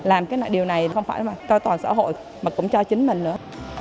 làm cái điều này không phải toàn xã hội mà cũng cho chính mình nữa